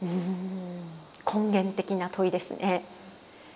根源的な問いですね。